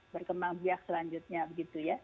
berkembang biak selanjutnya begitu ya